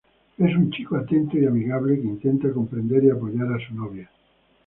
Es un chico atento y amigable que intenta comprender y apoyar a su novia.